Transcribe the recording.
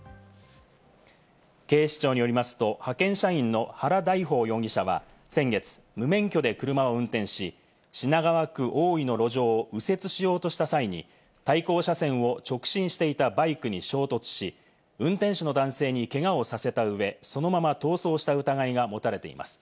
警視庁によりますと、派遣社員の原大豊容疑者は先月、無免許で車を運転し、品川区大井の路上を右折しようとした際に対向車線を直進していたバイクに衝突し、運転手の男性にけがをさせたうえ、そのまま逃走した疑いが持たれています。